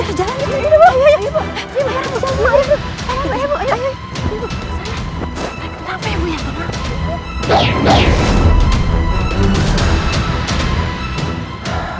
apa yang terjadi pada putra putris hamba ya allah